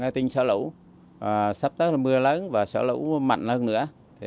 tình hình xả lũ sắp tới mưa lớn và xả lũ mạnh hơn nữa